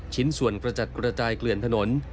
ชิ้นส่วนกระจัดกระจายเกลื่อนถนน